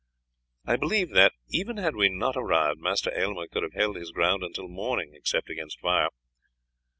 I believe that, even had we not arrived, Master Aylmer could have held his ground until morning, except against fire."